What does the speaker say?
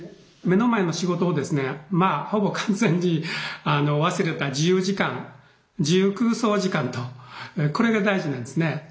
目の前の仕事をですねまあほぼ完全に忘れた自由時間「自由空想時間」とこれが大事なんですね。